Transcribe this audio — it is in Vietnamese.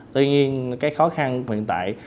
tuy nhiên cái khó khăn hiện tại